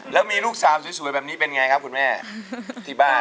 แล้วมีลูกสาวสวยแบบนี้เป็นไงครับคุณแม่ที่บ้าน